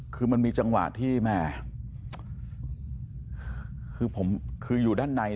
คือมันมีจังหวะที่แม่คือผมคืออยู่ด้านใน